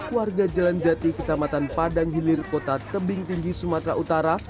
warga jalan jati kecamatan padang hilir kota tebing tinggi sumatera utara